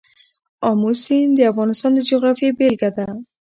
آمو سیند د افغانستان د جغرافیې بېلګه ده.